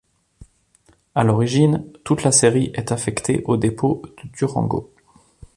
À l'origine, toute la série est affectée au dépôt de Durango.